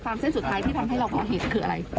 เส้นสุดท้ายที่ทำให้เราก่อเหตุคืออะไร